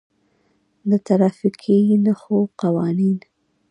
د ترافیکي نښو قوانین: